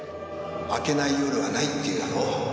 明けない夜はないって言うだろ。